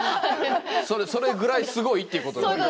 それぐらいすごいっていうことですね。